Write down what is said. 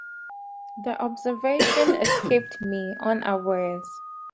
The observation escaped me unawares.